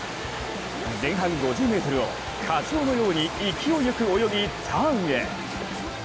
前半５０ｍをカツオのように勢いよく泳ぎ、ターンへ。